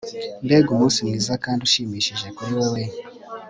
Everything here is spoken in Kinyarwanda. mbega umunsi mwiza kandi ushimishije kuri wewe